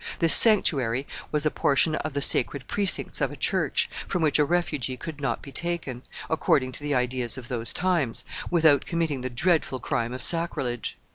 This sanctuary was a portion of the sacred precincts of a church, from which a refugee could not be taken, according to the ideas of those times, without committing the dreadful crime of sacrilege.